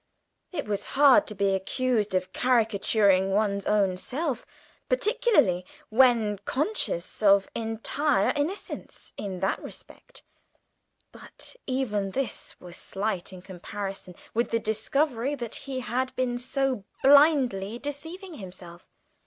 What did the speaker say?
It was hard to be accused of caricaturing one's own self, particularly when conscious of entire innocence in that respect, but even this was slight in comparison with the discovery that he had been so blindly deceiving himself!